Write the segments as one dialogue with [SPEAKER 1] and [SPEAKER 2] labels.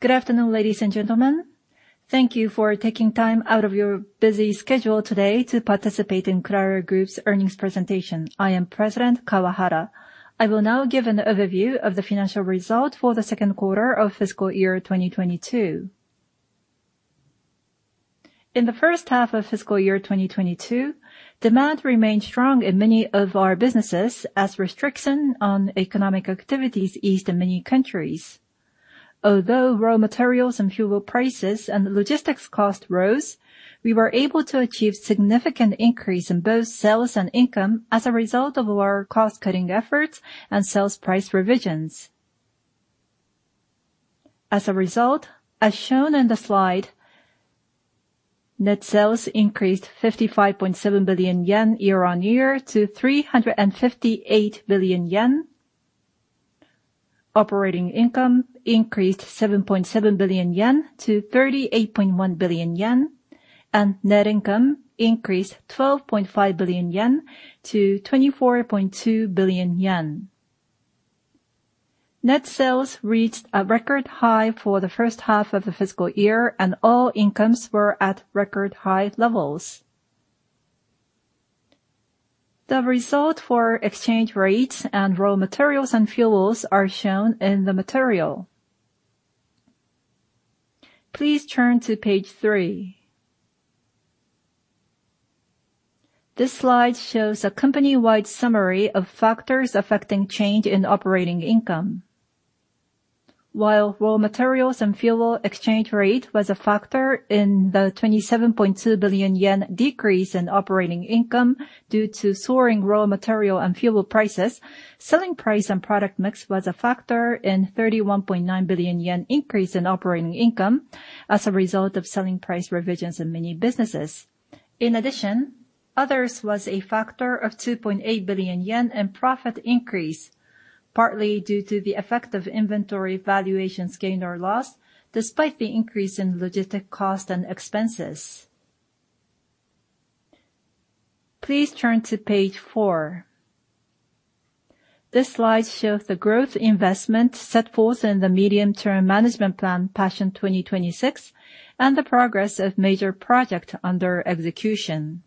[SPEAKER 1] Good afternoon, ladies and gentlemen. Thank you for taking time out of your busy schedule today to participate in Kuraray Group's earnings presentation. I am President Kawahara. I will now give an overview of the financial results for the second quarter of fiscal year 2022. In the first half of fiscal year 2022, demand remained strong in many of our businesses as restrictions on economic activities eased in many countries. Although raw materials and fuel prices and logistics costs rose, we were able to achieve significant increase in both sales and income as a result of our cost-cutting efforts and sales price revisions. As a result, as shown in the slide, net sales increased 55.7 billion yen year-on-year to 358 billion yen. Operating income increased 7.7 billion yen to 38.1 billion yen. Net income increased 12.5 billion yen to 24.2 billion yen. Net sales reached a record high for the first half of the fiscal year, and all incomes were at record high levels. The result for exchange rates and raw materials and fuels are shown in the material. Please turn to page 3. This slide shows a company-wide summary of factors affecting change in operating income. While raw materials and fuel, exchange rate was a factor in the 27.2 billion yen decrease in operating income due to soaring raw material and fuel prices, selling price and product mix was a factor in 31.9 billion yen increase in operating income as a result of selling price revisions in many businesses. In addition, others was a factor of 2.8 billion yen in profit increase, partly due to the effect of inventory valuations gain or loss despite the increase in logistic cost and expenses. Please turn to page 4. This slide shows the growth investment set forth in the medium-term management plan PASSION 2026, and the progress of major project under execution.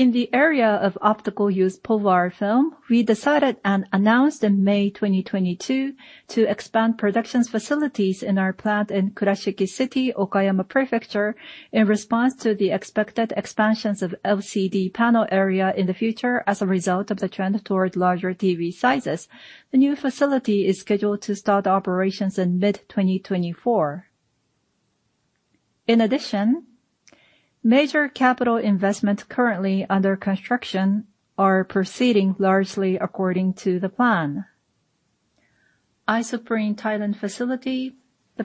[SPEAKER 1] In the area of optical-use POVAL film, we decided and announced in May 2022 to expand production facilities in our plant in Kurashiki City, Okayama Prefecture, in response to the expected expansion of LCD panel area in the future, as a result of the trend towards larger TV sizes. The new facility is scheduled to start operations in mid-2024. In addition, major capital investment currently under construction are proceeding largely according to the plan. Isoprene Thailand facility,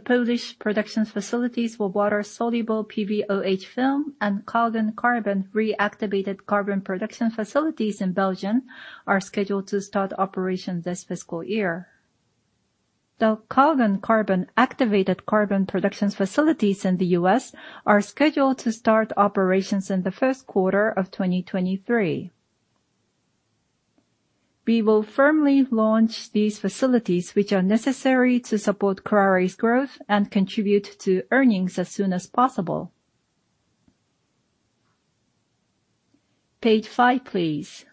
[SPEAKER 1] Poland's production facilities for water-soluble PVOH film, and Calgon Carbon reactivated carbon production facilities in Belgium are scheduled to start operation this fiscal year. The Calgon Carbon activated carbon production facilities in the U.S. are scheduled to start operations in the first quarter of 2023. We will firmly launch these facilities which are necessary to support Kuraray's growth and contribute to earnings as soon as possible. Page 5, please.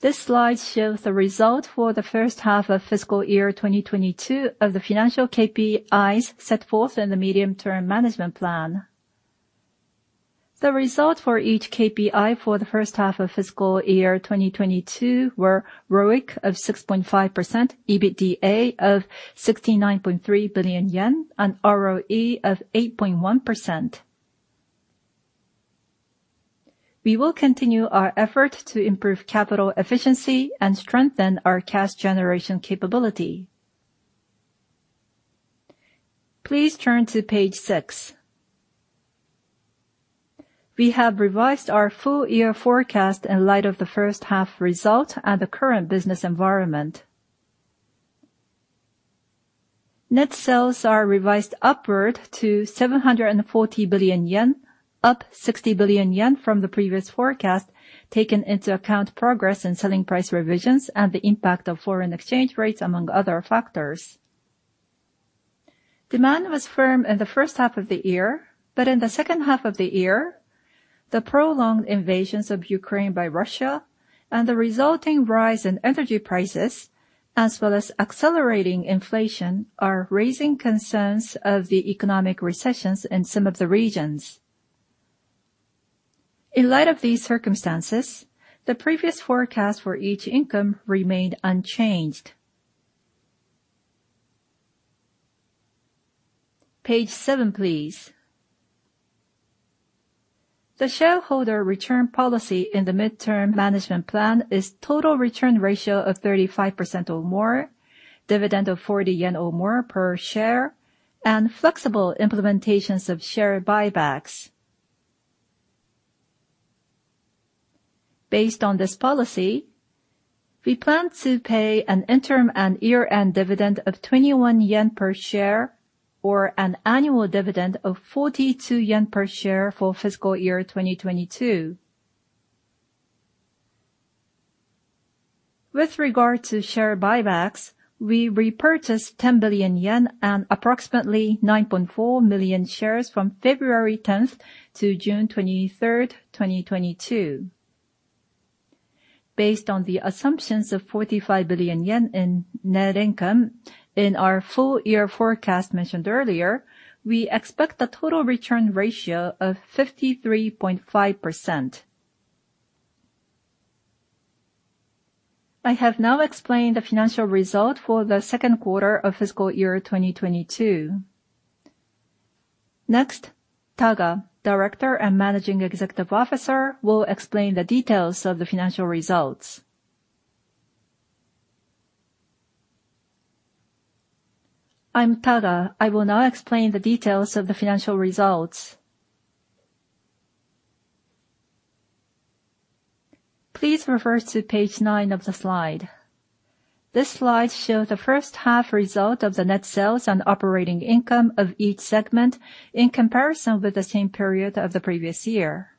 [SPEAKER 1] This slide shows the result for the first half of fiscal year 2022 of the financial KPIs set forth in the medium-term management plan. The result for each KPI for the first half of fiscal year 2022 were ROIC of 6.5%, EBITDA of 69.3 billion yen, and ROE of 8.1%. We will continue our effort to improve capital efficiency and strengthen our cash generation capability. Please turn to page 6. We have revised our full year forecast in light of the first half result and the current business environment. Net sales are revised upward to 740 billion yen, up 60 billion yen from the previous forecast, taking into account progress in selling price revisions and the impact of foreign exchange rates, among other factors. Demand was firm in the first half of the year. In the second half of the year, the prolonged invasion of Ukraine by Russia and the resulting rise in energy prices, as well as accelerating inflation, are raising concerns of the economic recessions in some of the regions. In light of these circumstances, the previous forecast for operating income remained unchanged. Page 7, please. The shareholder return policy in the midterm management plan is total return ratio of 35% or more, dividend of 40 yen or more per share, and flexible implementations of share buybacks. Based on this policy, we plan to pay an interim and year-end dividend of 21 yen per share, or an annual dividend of 42 yen per share for fiscal year 2022. With regard to share buybacks, we repurchased 10 billion yen and approximately 9.4 million shares from February 10 to June 23, 2022. Based on the assumptions of 45 billion yen in net income in our full year forecast mentioned earlier, we expect a total return ratio of 53.5%. I have now explained the financial result for the second quarter of fiscal year 2022. Next, Taga, Director and Managing Executive Officer, will explain the details of the financial results.
[SPEAKER 2] I'm Taga. I will now explain the details of the financial results. Please refer to page 9 of the slide. This slide shows the first half results of the net sales and operating income of each segment in comparison with the same period of the previous year.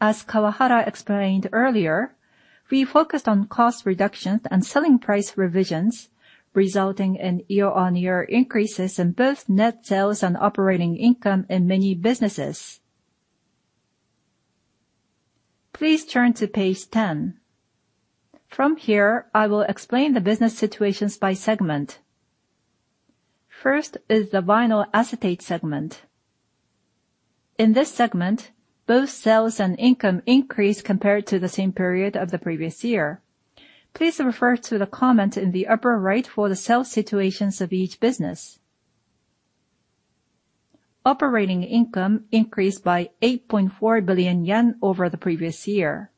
[SPEAKER 2] As Kawahara explained earlier, we focused on cost reductions and selling price revisions, resulting in year-on-year increases in both net sales and operating income in many businesses. Please turn to page 10. From here, I will explain the business situations by segment. First is the Vinyl Acetate segment. In this segment, both sales and income increased compared to the same period of the previous year. Please refer to the comment in the upper right for the sales situations of each business. Operating income increased by 8.4 billion yen over the previous year.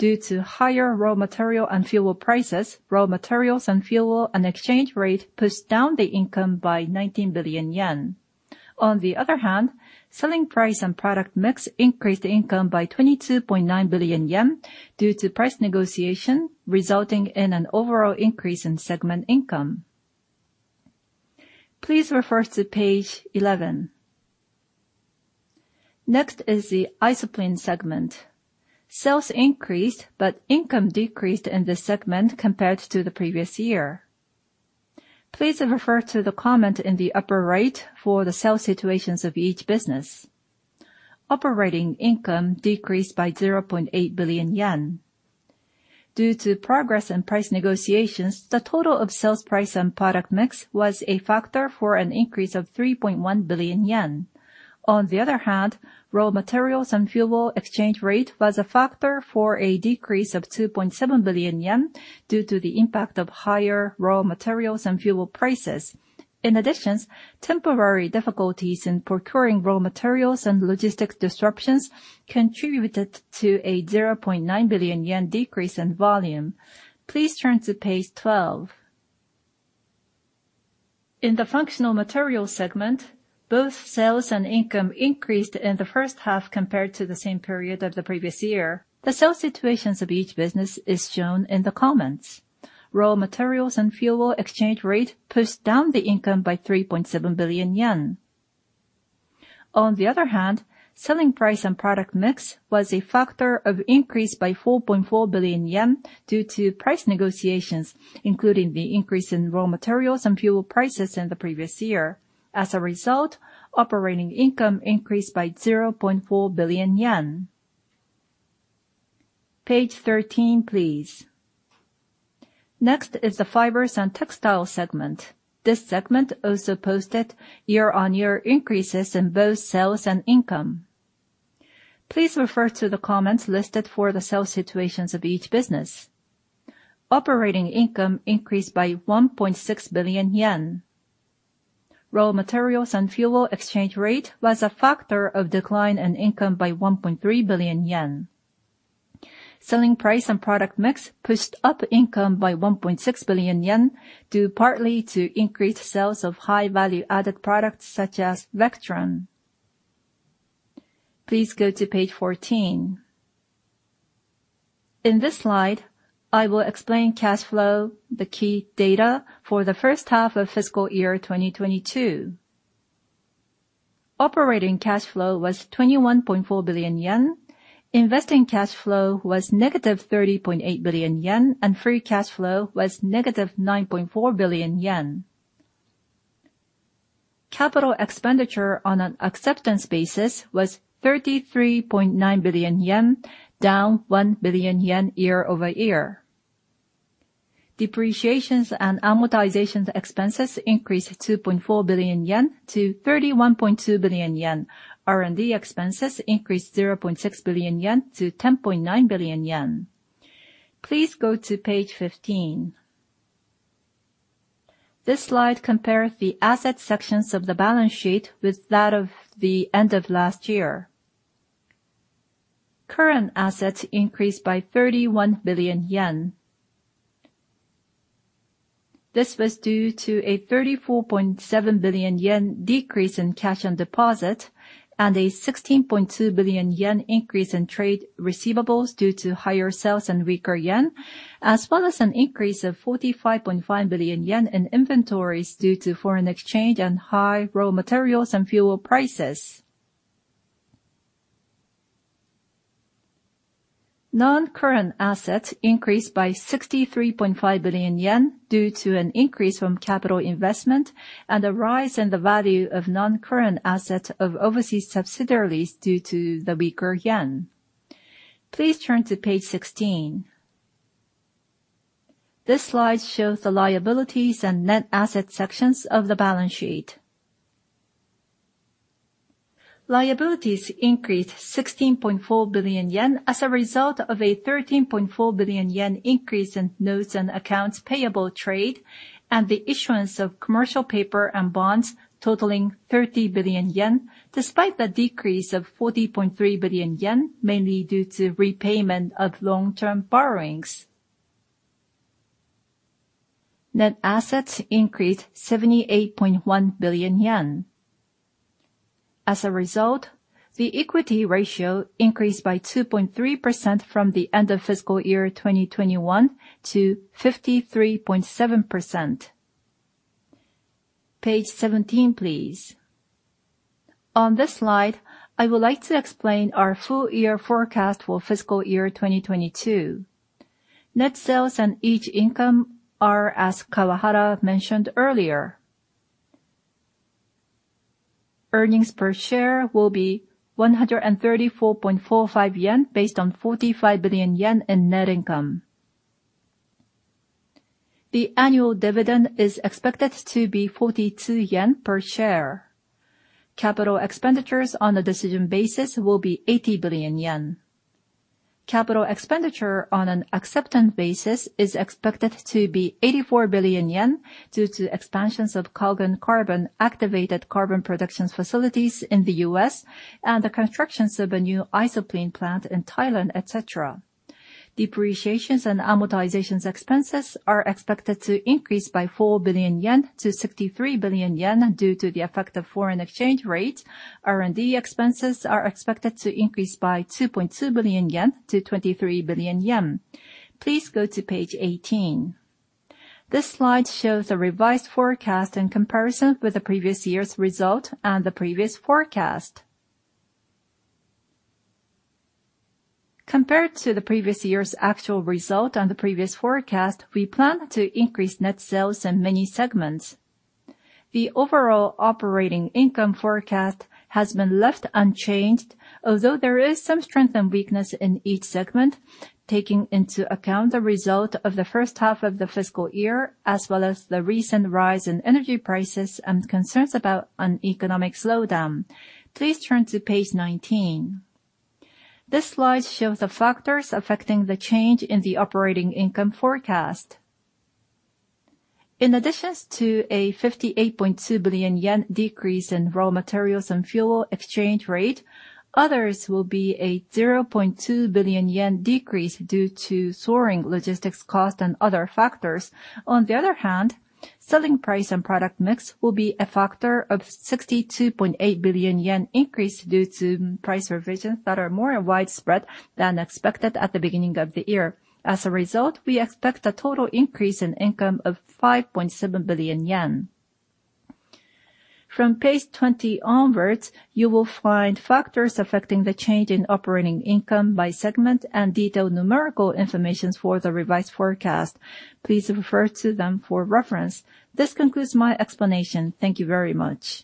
[SPEAKER 2] Due to higher raw material and fuel prices, raw materials and fuel and exchange rate pushed down the income by 19 billion yen. On the other hand, selling price and product mix increased income by 22.9 billion yen due to price negotiation, resulting in an overall increase in segment income. Please refer to page 11. Next is the Isoprene segment. Sales increased but income decreased in this segment compared to the previous year. Please refer to the comment in the upper right for the sales situations of each business. Operating income decreased by 0.8 billion yen. Due to progress in price negotiations, the total of sales price and product mix was a factor for an increase of 3.1 billion yen. On the other hand, raw materials and fuel exchange rate was a factor for a decrease of 2.7 billion yen due to the impact of higher raw materials and fuel prices. In addition, temporary difficulties in procuring raw materials and logistics disruptions contributed to a 0.9 billion yen decrease in volume. Please turn to page 12. In the functional materials segment, both sales and income increased in the first half compared to the same period of the previous year. The sales situations of each business is shown in the comments. Raw materials and fuel exchange rate pushed down the income by 3.7 billion yen. On the other hand, selling price and product mix was a factor of increase by 4.4 billion yen due to price negotiations, including the increase in raw materials and fuel prices in the previous year. As a result, operating income increased by 0.4 billion yen. Page 13, please. Next is the Fibers and Textiles segment. This segment also posted year-on-year increases in both sales and income. Please refer to the comments listed for the sales situations of each business. Operating income increased by 1.6 billion yen. Raw materials and fuel exchange rate was a factor of decline in income by 1.3 billion yen. Selling price and product mix pushed up income by 1.6 billion yen due partly to increased sales of high value added products such as VECTRAN. Please go to page 14. In this slide, I will explain cash flow, the key data for the first half of fiscal year 2022. Operating cash flow was 21.4 billion yen. Investing cash flow was -30.8 billion yen, and free cash flow was -9.4 billion yen. Capital expenditure on an accrual basis was 33.9 billion yen, down 1 billion yen year-over-year. Depreciation and amortization expenses increased 2.4 billion yen to 31.2 billion yen. R&D expenses increased 0.6 billion yen to 10.9 billion yen. Please go to page 15. This slide compares the asset sections of the balance sheet with that of the end of last year. Current assets increased by 31 billion yen. This was due to a 34.7 billion yen decrease in cash and deposit, and a 16.2 billion yen increase in trade receivables due to higher sales and weaker yen, as well as an increase of 45.5 billion yen in inventories due to foreign exchange and high raw materials and fuel prices. Non-current assets increased by 63.5 billion yen due to an increase from capital investment and the rise in the value of non-current assets of overseas subsidiaries due to the weaker yen. Please turn to page 16. This slide shows the liabilities and net asset sections of the balance sheet. Liabilities increased 16.4 billion yen as a result of a 13.4 billion yen increase in notes and accounts payable trade, and the issuance of commercial paper and bonds totaling 30 billion yen, despite the decrease of 40.3 billion yen, mainly due to repayment of long-term borrowings. Net assets increased JPY 78.1 billion. As a result, the equity ratio increased by 2.3% from the end of fiscal year 2021 to 53.7%. Page 17, please. On this slide, I would like to explain our full year forecast for fiscal year 2022. Net sales and each income are as Kawahara mentioned earlier. Earnings per share will be 134.45 yen based on 45 billion yen in net income. The annual dividend is expected to be 42 yen per share. Capital expenditures on a decision basis will be 80 billion yen. Capital expenditure on an acceptance basis is expected to be 84 billion yen due to expansions of Calgon Carbon activated carbon production facilities in the U.S., and the construction of a new isoprene plant in Thailand, et cetera. Depreciation and amortization expenses are expected to increase by 4 billion yen to 63 billion yen due to the effect of foreign exchange rate. R&D expenses are expected to increase by 2.2 billion yen to 23 billion yen. Please go to page 18. This slide shows a revised forecast in comparison with the previous year's result and the previous forecast. Compared to the previous year's actual result and the previous forecast, we plan to increase net sales in many segments. The overall operating income forecast has been left unchanged, although there is some strength and weakness in each segment, taking into account the result of the first half of the fiscal year, as well as the recent rise in energy prices and concerns about an economic slowdown. Please turn to page 19. This slide shows the factors affecting the change in the operating income forecast. In addition to a 58.2 billion yen decrease in raw materials and fuel, exchange rates, others will be a 0.2 billion yen decrease due to soaring logistics costs and other factors. On the other hand, selling price and product mix will be a factor of 62.8 billion yen increase due to price revisions that are more widespread than expected at the beginning of the year. As a result, we expect a total increase in income of 5.7 billion yen. From page 20 onwards, you will find factors affecting the change in operating income by segment and detailed numerical information for the revised forecast. Please refer to them for reference. This concludes my explanation. Thank you very much.